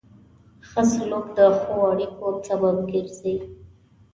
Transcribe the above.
ښه سلوک د ښو اړیکو سبب ګرځي.